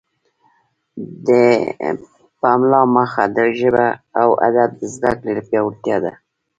د پملا موخه د ژبې او ادب د زده کړې پیاوړتیا ده.